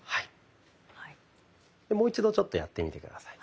もう一度ちょっとやってみて下さい。